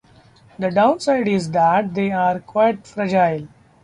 The downside is that they are quite fragile.